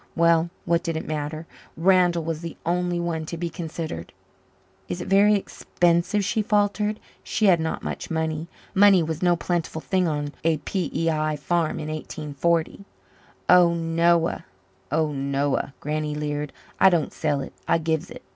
Well, what did it matter? Randall was the only one to be considered. "Is it very expensive?" she faltered. She had not much money. Money was no plentiful thing on a P.E.I. farm in 1840. "Oh, noa oh, noa," Granny leered. "I don't sell it. I gives it.